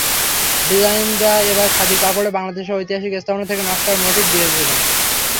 ডিজাইনাররা এবার খাদি কাপড়ে বাংলাদেশের ঐতিহাসিক স্থাপনা থেকে নকশার মোটিফ নিয়েছিলেন।